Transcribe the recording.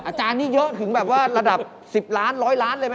อาจารย์นี่เยอะถึงแบบว่าระดับ๑๐ล้าน๑๐๐ล้านเลยไหม